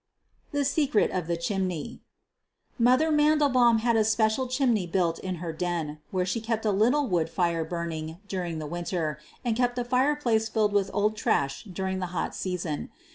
THE SECEET OF THE CHIMNEY "Mother" Mandelbaum had a special chimney built in her den, where she kept a little wood fire burning during the winter and kept the fireplace filled with old trash during the hot season.